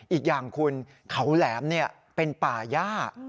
อีกอย่างคุณเขาแหลมเป็นป่าย่า